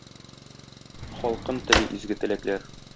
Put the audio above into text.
Халкым тели изге теләкләр!